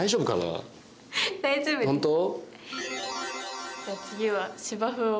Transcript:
本当？